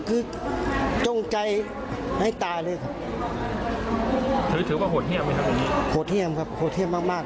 ที่ก็จงใจให้ตายเลยครับถือว่าเขาทำไมครับถือว่าเขาทำไมครับเต็มก็พิเศษมากมาก